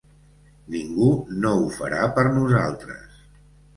Ningú no ho farà per nosaltres.